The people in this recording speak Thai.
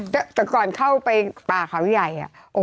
แต่ก่อนเข้าไปป่าเขาใหญ่